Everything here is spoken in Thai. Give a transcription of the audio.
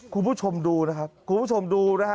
คุณผู้ชมดูนะครับ